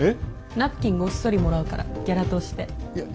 ナプキンごっそりもらうからギャラとして。